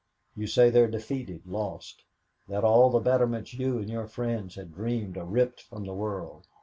You say they're defeated lost that all the betterments you and your friends had dreamed are ripped from the world.